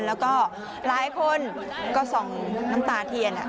แล้วก็หลายคนก็ส่องน้ำตาเทียน